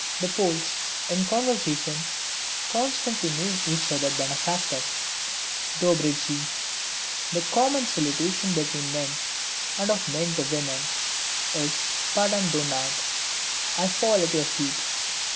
The Poles, in conversation, constantly name each other Benefactor (DOBRODZIJ). The common salutation between men, and of men to women, is PADAM DO NOG: "I fall at your feet."